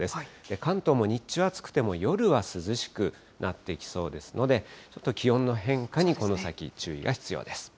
関東も日中、暑くても夜は涼しくなってきそうですので、ちょっと気温の変化に、この先、注意が必要です。